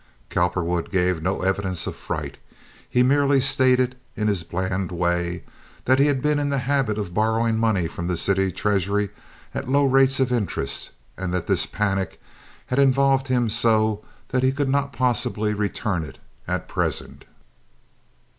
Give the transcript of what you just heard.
Cowperwood gave no evidence of fright. He merely stated, in his bland way, that he had been in the habit of borrowing money from the city treasury at a low rate of interest, and that this panic had involved him so that he could not possibly return it at present.